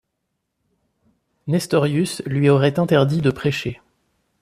Nestorius lui aurait interdit de prêcher.